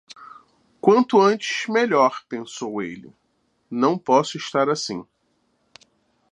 Quanto antes, melhor, pensou ele; não posso estar assim...